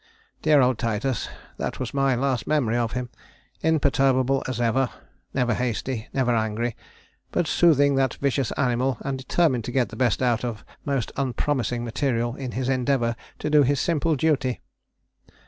"Dear old Titus that was my last memory of him. Imperturbable as ever; never hasty, never angry, but soothing that vicious animal, and determined to get the best out of most unpromising material in his endeavour to do his simple duty.